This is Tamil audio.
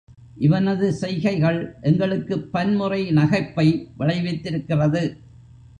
இவனது செய்கைகள் எங்களுக்குப் பன்முறை நகைப்பை விளைவித்திருக்கிறது.